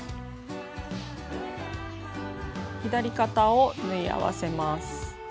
左肩を縫い合わせます。